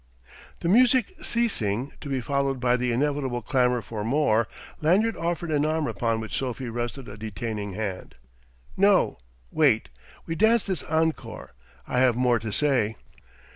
The music ceasing, to be followed by the inevitable clamour for more, Lanyard offered an arm upon which Sophie rested a detaining hand. "No wait. We dance this encore. I have more to say."